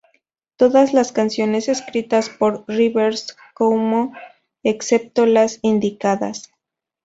Todas las canciones escritas por Rivers Cuomo, excepto las indicadas.